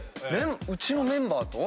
うちのメンバーと？